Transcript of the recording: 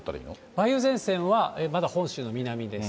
梅雨前線は、まだ本州の南です。